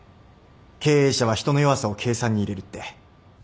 経営者は人の弱さを計算に入れるって。